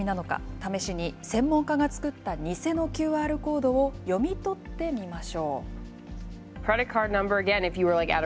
試しに専門家が作った偽のＱＲコードを読み取ってみましょう。